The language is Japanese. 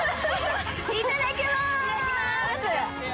いただきまーす。